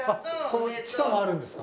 この地下があるんですか？